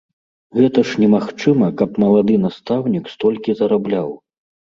Гэта ж немагчыма, каб малады настаўнік столькі зарабляў!